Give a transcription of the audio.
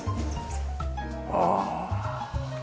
ああ。